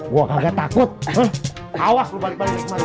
gue kagak takut awas lo balik balik kemana